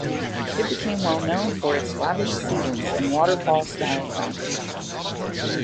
It became well known for its lavish ceilings and waterfall-style fountain.